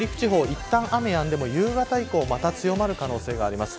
いったん雨やんでも夕方以降また強まる可能性があります。